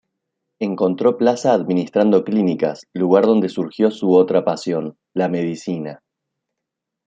Encontró plaza administrando clínicas, lugar donde surgió su otra pasión: la medicina.